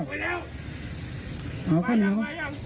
อาะเข้าเหนียว